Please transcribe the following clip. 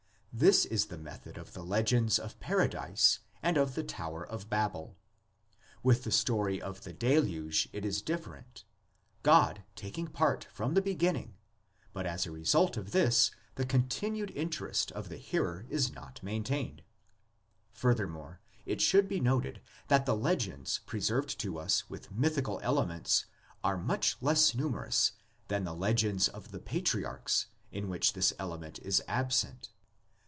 This is the method of the legends of Paradise and of the Tower of Babel. With the story of the Deluge it is different, God taking part from the beginning; but as a result of this the con tinued interest of the hearer is not maintained. Furthermore, it should be noted that the legends preserved to us with mythical elements are much less numerous than the legends of the patriarchs in which this element is absent.